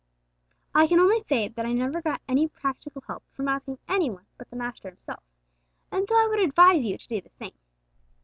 I can only say that I never got any practical help from asking any one but the Master Himself, and so I would advise you to do the same!